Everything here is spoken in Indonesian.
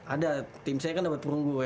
ada tim saya kan dapat perunggu ya